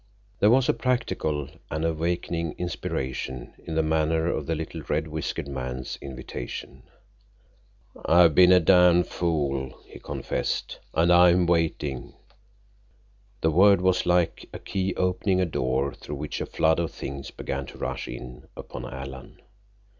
There was a practical and awakening inspiration in the manner of the little red whiskered man's invitation. "I've been a damn fool," he confessed. "And I'm waiting." The word was like a key opening a door through which a flood of things began to rush in upon Alan.